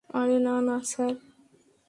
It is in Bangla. আরে, না না, স্যার।